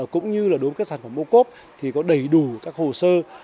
cũng như là đối với sản phẩm ô cốp thì có đầy đủ các hồ sơ